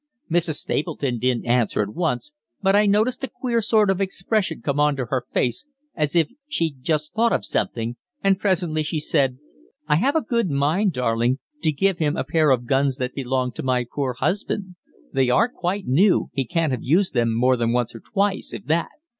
Mrs. Stapleton didn't answer at once, but I noticed a queer sort of expression come on to her face, as if she'd just thought of something, and presently she said: 'I have a good mind, darling, to give him a pair of guns that belonged to my poor husband. They are quite new he can't have used them more than once or twice, if that.